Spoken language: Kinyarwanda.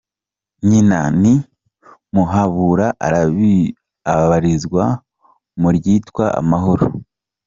Nyina ni Muhabura abarizwa mu ryitwa Amahoro.